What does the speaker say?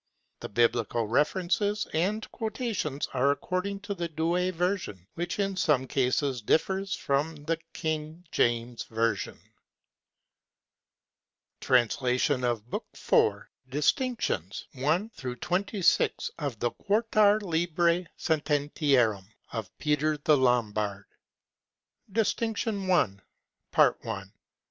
The Biblical references and quotations are according to the ]Douay version, which in some instances differs from the King jjames Version. APPENDIX TRANSLATION OF BOOK IV, DISTINCTIONS I XXVI OF THE QUATUOR LIBRI SENTENTIARUM OF PETER THE LOMBARD Distinction I PART I I.